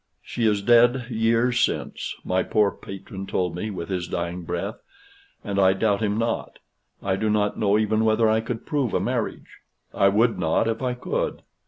She is dead years since, my poor patron told me with his dying breath, and I doubt him not. I do not know even whether I could prove a marriage. I would not if I could.